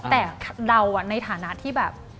แต่เราในฐานะที่แบบ